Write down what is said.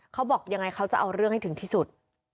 เขาบอกยังไงเขาจะเอาเรื่องให้ถึงที่สุด